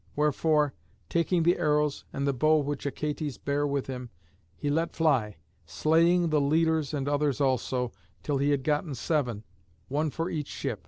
Wherefore, taking the arrows and the bow which Achates bare with him, he let fly, slaying the leaders and others also, till he had gotten seven, one for each ship.